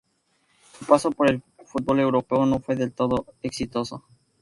Su paso por el fútbol europeo no fue del todo exitoso.